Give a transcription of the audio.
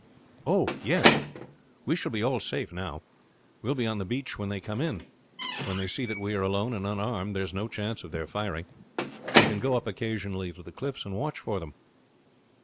"Oh, yes! we shall be all safe now. We will be on the beach when they come in. When they see that we are alone and unarmed there's no chance of their firing. We can go up occasionally to the cliffs and watch for them."